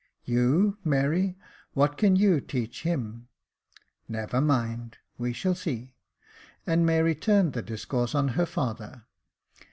" You, Mary, what can you teach him ?"" Never mind, we shall see ;" and Mary turned the dis course on her father.